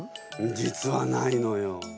実はないのよ。